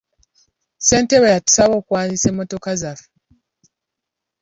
Ssentebe yatusaba okuwandiisa emmotoka zaffe.